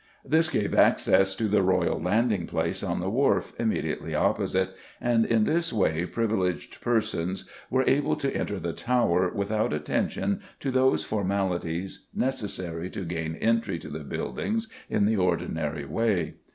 This gave access to the royal landing place on the wharf, immediately opposite, and in this way privileged persons were able to enter the Tower without attention to those formalities necessary to gain entry to the buildings in the ordinary way.